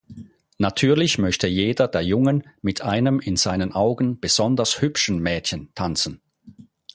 Natürlich möchte jeder der Jungen mit einem in seinen Augen besonders hübschen Mädchen tanzen.